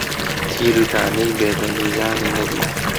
تیر و تانەی بێ تەمیزانی نەدی،